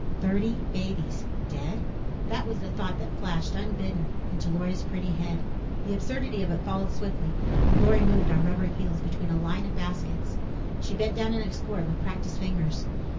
Thirty babies dead? That was the thought that flashed, unbidden, into Lorry's pretty head. The absurdity of it followed swiftly, and Lorry moved on rubber soles between a line of baskets. She bent down and explored with practiced fingers.